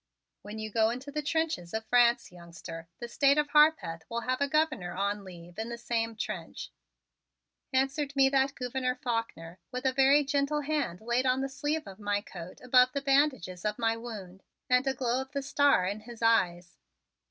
"When you go into the trenches of France, youngster, the State of Harpeth will have a Governor on leave in the same trench," answered me that Gouverneur Faulkner with a very gentle hand laid on the sleeve of my coat above the bandages of my wound, and a glow of the star in his eyes.